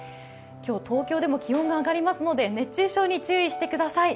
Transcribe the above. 今日、東京でも気温が上がりますので熱中症に注意してください。